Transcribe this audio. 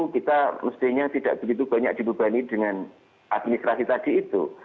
kita mestinya tidak begitu banyak dibebani dengan administrasi tadi itu